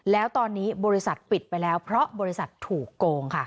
แล้วตอนนี้บริษัทปิดไปแล้วเพราะบริษัทถูกโกงค่ะ